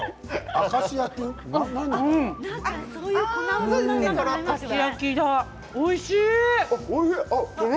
明石焼きだ、おいしい。